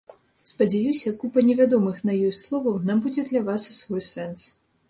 Спадзяюся, купа невядомых на ёй словаў набудзе для вас свой сэнс.